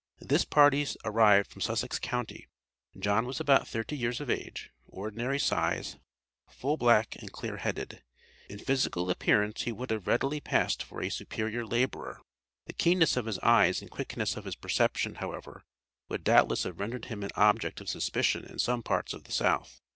This party arrived from Sussex county. John was about thirty years of age, ordinary size, full black and clear headed. In physical appearance he would have readily passed for a superior laborer. The keenness of his eyes and quickness of his perception, however, would doubtless have rendered him an object of suspicion in some parts of the South.